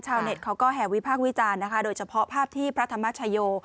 เน็ตเขาก็แห่วิพากษ์วิจารณ์นะคะโดยเฉพาะภาพที่พระธรรมชโย